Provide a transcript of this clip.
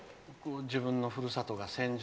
自分のふるさとが、戦場。